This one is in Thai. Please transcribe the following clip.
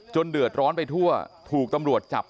เดือดร้อนไปทั่วถูกตำรวจจับ